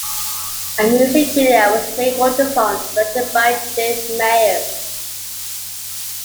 A music video was made for the song, directed by Dave Meyers.